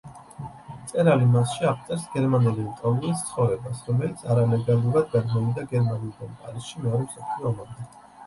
მწერალი მასში აღწერს გერმანელი ლტოლვილის ცხოვრებას, რომელიც არალეგალურად გადმოვიდა გერმანიიდან პარიზში მეორე მსოფლიო ომამდე.